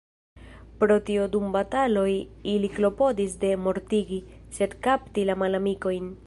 Pro tio dum bataloj ili klopodis ne mortigi, sed kapti la malamikojn.